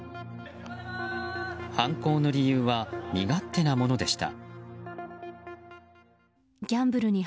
犯行の理由は身勝手なものでした。